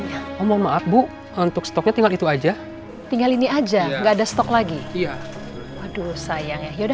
ya ampun tante baik banget sih